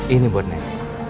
ini buat nenek